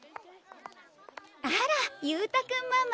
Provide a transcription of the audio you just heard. あら勇太君ママ。